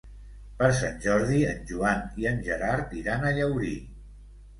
Per Sant Jordi en Joan i en Gerard iran a Llaurí.